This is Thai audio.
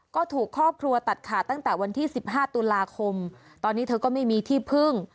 ก็ถูกครอบครัวตัดขาดตั้งแต่วันที่๑๕ตุลาคมตอนนี้เธอก็ไม่มีที่พึ่ง